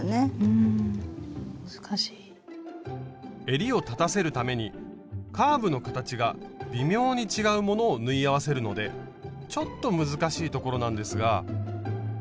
えりを立たせるためにカーブの形が微妙に違うものを縫い合わせるのでちょっと難しいところなんですが。